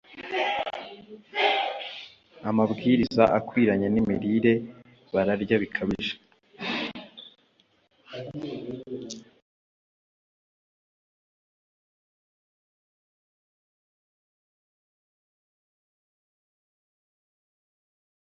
amabwiriza akwiranye n’imirire. Bararya bikabije,